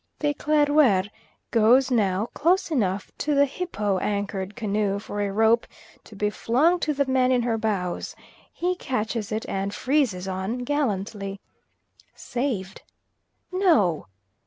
The Eclaireur goes now close enough to the hippo anchored canoe for a rope to be flung to the man in her bows; he catches it and freezes on gallantly. Saved! No!